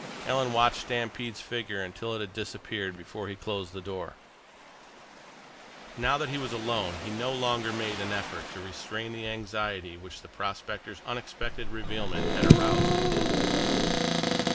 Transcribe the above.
Alan watched Stampede's figure until it had disappeared before he closed the door. Now that he was alone, he no longer made an effort to restrain the anxiety which the prospector's unexpected revealment had aroused in him.